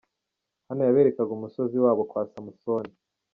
Hano yaberekaga umusozi w'abo kwa Samusoni.